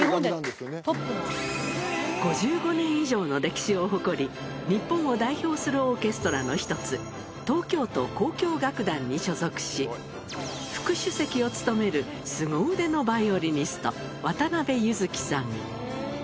５５年以上の歴史を誇り、日本を代表するオーケストラの一つ、東京都交響楽団に所属し、副首席を務めるすご腕のバイオリニスト、渡邉ゆづきさん。